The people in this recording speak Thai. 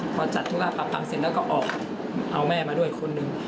พอจัดธุระปรับตังค์เสร็จแล้วก็ออกเอาแม่มาด้วยคนหนึ่ง